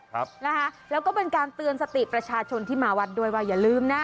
ครับนะคะแล้วก็เป็นการเตือนสติประชาชนที่มาวัดด้วยว่าอย่าลืมนะ